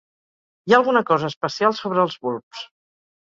Hi ha alguna cosa especial sobre els bulbs.